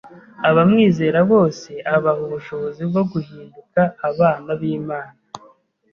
Abamwizera bose abaha ubushobozi bwo guhinduka abana b’Imana.